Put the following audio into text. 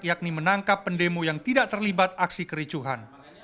yakni menangkap pendemo yang tidak terlibat aksi kericuhan